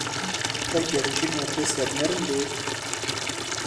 Heger jina te sernerm be.